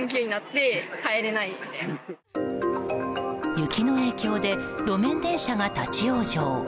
雪の影響で路面電車が立ち往生。